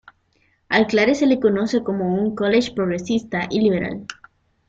Al Clare se le conoce como un college progresista y liberal.